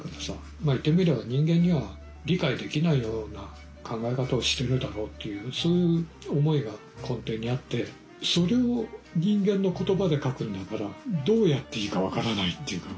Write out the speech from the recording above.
まあ言ってみれば人間には理解できないような考え方をしてるだろうっていうそういう思いが根底にあってそれを人間の言葉で書くんだからどうやっていいか分からないっていうか